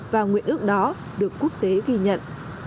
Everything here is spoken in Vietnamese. và nguyện ước đó được quốc tế ghi nhận